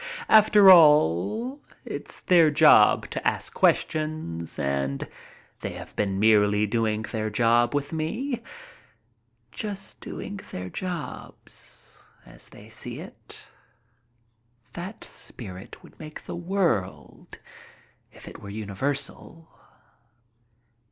After all, it's their job to ask questions and they have been merely doing their job with me. Just doing their jobs, as they see it. That spirit would make the world if it were universal.